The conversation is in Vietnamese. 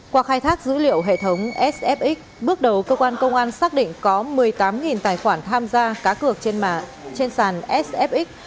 qua khai thác dữ liệu hệ thống sfxx bước đầu cơ quan công an xác định có một mươi tám tài khoản tham gia cá cược trên sàn sfxx